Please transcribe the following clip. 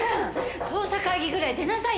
捜査会議ぐらい出なさいよ